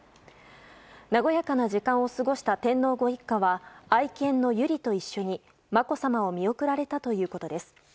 和やかな時間を過ごした天皇ご一家は愛犬の由莉と一緒に、まこさまを見送られたということです。